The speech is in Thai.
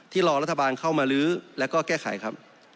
รอรัฐบาลเข้ามาลื้อแล้วก็แก้ไขครับ